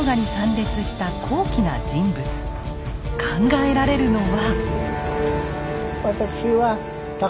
考えられるのは。